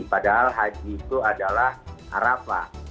padahal haji itu adalah arafah